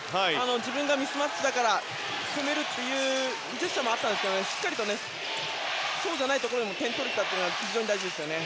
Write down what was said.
自分がミスマッチだから攻めるというジェスチャーもあったんですが、しっかりとそうじゃないところで点が取れたことが大事ですね。